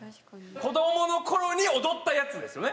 子どもの頃に踊ったやつですよね？